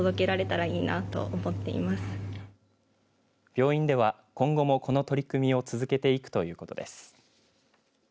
病院では、今後もこの取り組みを続けていくということです。